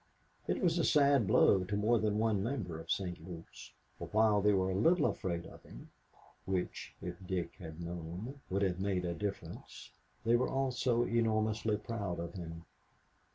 It was a sad blow to more than one member of St. Luke's, for while they were a little afraid of him (which, if Dick had known, would have made a difference), they were also enormously proud of him.